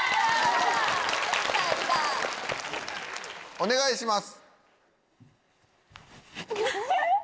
・お願いします。